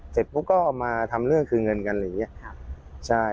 เสร็จพวกเขาก็มาทำเรื่องคือเงินกันอย่างเงี้ย